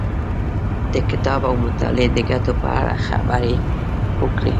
د کتاب او مطالعې د ګټو په اړه خبرې وکړې.